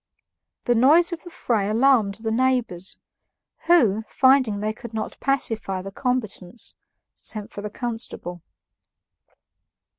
The noise of the fray alarmed the neighbors, who, finding they could not pacify the combatants, sent for the constable.